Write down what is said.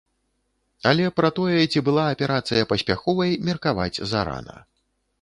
Але пра тое, ці была аперацыя паспяховай, меркаваць зарана.